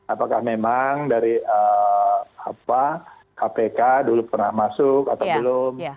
apakah memang dari kpk dulu pernah masuk atau belum